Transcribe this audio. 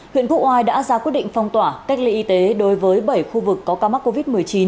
huyện quốc oai đã ra quyết định phong tỏa cách ly y tế đối với bảy khu vực có ca mắc covid một mươi chín